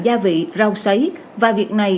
gia vị rau sấy và việc này